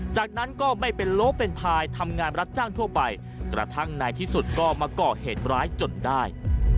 จากนั้นก็ไม่เป็นโลเป็นพายทำงานรับจ้างทั่วไปกระทั่งในที่สุดก็มาก่อเหตุร้ายจนได้